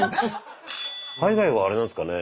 海外はあれなんですかね